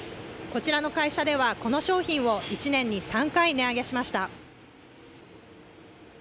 こちらの会社では、この商品を１年に３回、値上げしました。